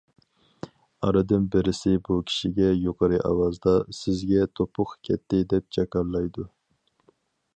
ئارىدىن بىرسى بۇ كىشىگە يۇقىرى ئاۋازدا‹‹ سىزگە توپۇق كەتتى›› دەپ جاكارلايدۇ.